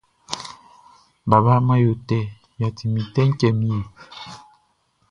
Baba man yo tɛ, yatchi mi tɛ tchɛ mi he.